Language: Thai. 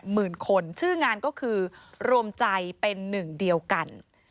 หมื่นคนชื่องานก็คือรวมใจเป็นหนึ่งเดียวกัน